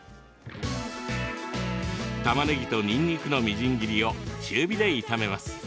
たまねぎとにんにくのみじん切りを中火で炒めます。